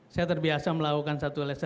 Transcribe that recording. saya terbiasa melakukan satu lsm